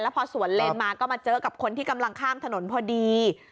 พอสวนเลนมาก็มาเจอกับคนที่กำลังข้ามถนนพอดี